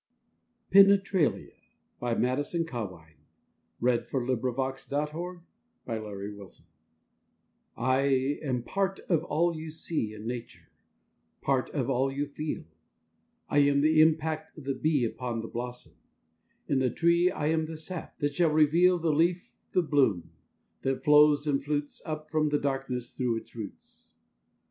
That line of rose no more be drawn Above the ocean's spray! PENETRALIA I am a part of all you see In Nature; part of all you feel: I am the impact of the bee Upon the blossom; in the tree I am the sap, that shall reveal The leaf, the bloom, that flows and flutes Up from the darkness through its roots.